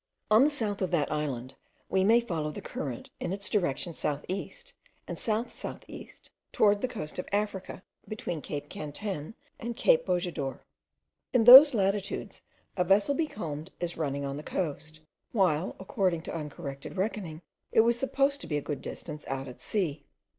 On the south of that island, we may follow the current, in its direction south east and south south east towards the coast of Africa, between Cape Cantin and Cape Bojador. In those latitudes a vessel becalmed is running on the coast, while, according to the uncorrected reckoning, it was supposed to be a good distance out at sea.